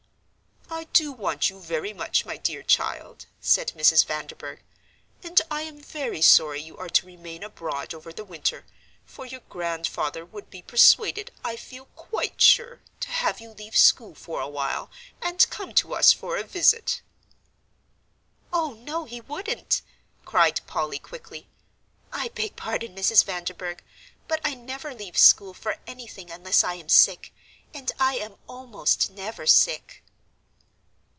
"I do want you very much, my dear child," said Mrs. Vanderburgh, "and I am very sorry you are to remain abroad over the winter, for your Grandfather would be persuaded, I feel quite sure, to have you leave school for a while, and come to us for a visit." "Oh, no, he wouldn't," cried Polly, quickly. "I beg pardon, Mrs. Vanderburgh, but I never leave school for anything unless I am sick, and I am almost never sick."